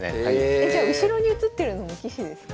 えじゃあ後ろに写ってるのも棋士ですか？